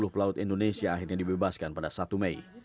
sepuluh pelaut indonesia akhirnya dibebaskan pada satu mei